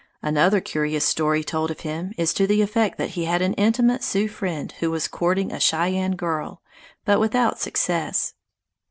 Another curious story told of him is to the effect that he had an intimate Sioux friend who was courting a Cheyenne girl, but without success.